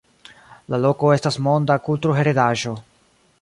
La loko estas monda kulturheredaĵo.